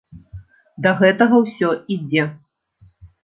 Да гэтага ўсё ідзе.